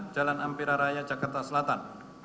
jalan ampera raya jakarta selatan